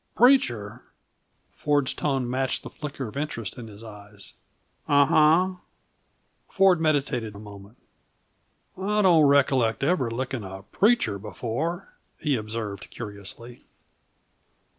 "Preacher?" Ford's tone matched the flicker of interest in his eyes. "Uhn hunh." Ford meditated a moment. "I don't recollect ever licking a preacher before," he observed curiously.